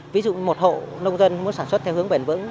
ví dụ một hộ nông dân muốn sản xuất theo hướng bền vững